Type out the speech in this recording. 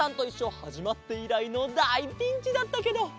はじまっていらいのだいピンチだったけど。